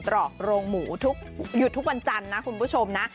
ตรอกโรงหมูทุกหยุดทุกวันจันทร์นะคุณผู้ชมนะ